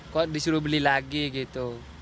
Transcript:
kok disuruh beli lagi gitu